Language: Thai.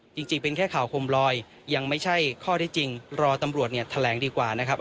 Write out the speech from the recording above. จริงเป็นแค่ข่าวโคมลอยยังไม่ใช่ข้อที่จริงรอตำรวจเนี่ยแถลงดีกว่านะครับ